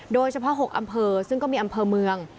โดยเฉพาะ๖อำเภอซึ่งก็มีอำเภอเมือง